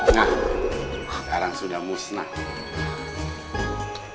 nah sekarang sudah musnah